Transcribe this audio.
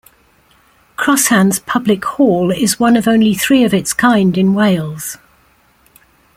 Cross Hands Public Hall is one of only three of its kind in Wales.